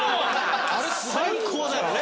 最高だよね！